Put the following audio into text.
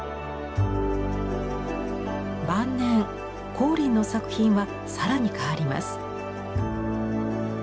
晩年光琳の作品は更に変わります。